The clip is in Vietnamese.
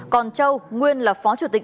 còn châu nguyên là phó chủ tịch